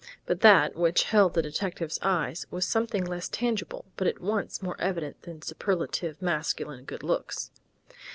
But that which held the detective's eyes was something less tangible but at once more evident than superlative masculine good looks.